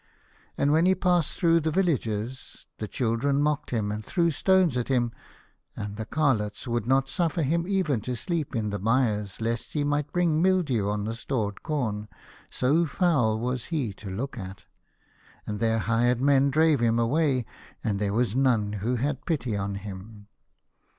And when he passed through the villages the children mocked him, and threw stones at him, and the carlots would not suffer him even to sleep in the byres lest he might bring mildew on the stored corn, so foul was he to 144 The Star Child. look at, and their hired men drave him away, and there was none who had pity on him.